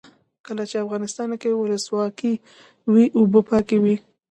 کله چې افغانستان کې ولسواکي وي اوبه پاکې وي.